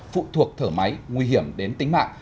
phụ thuộc thở máy nguy hiểm đến tính mạng